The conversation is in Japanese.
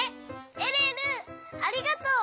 えるえるありがとう！